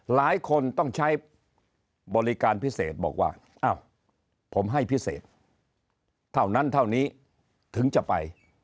หลายคนต้องใช้บริการพิเศษบอกว่าอ้าวผมให้พิเศษเท่านั้นเท่านี้ถึงจะไป